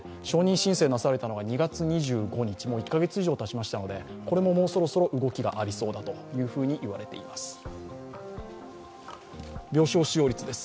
承認申請なされたのが２月２５日、もう１カ月以上たちましたのでこれも、もうそろそろ動きがありそうだといわれています。